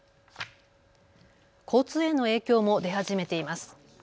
交通への影響も出始めています。